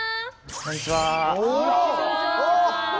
こんにちは。